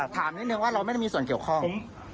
ถามนิดนึงว่าเราไม่ได้มีส่วนเกี่ยวข้อง